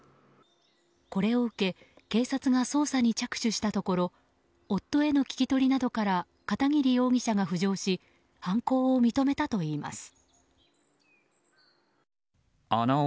これを受け警察が捜査に着手したところ夫への聞き取りなどから片桐容疑者が浮上し犯行を認めたといいます。